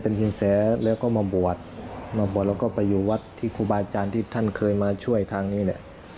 เป็นสินแสแล้วก็มาบวชมาบวชแล้วก็ไปอยู่วัดที่ครูบาอาจารย์ที่ท่านเคยมาช่วยทางนี้แหละ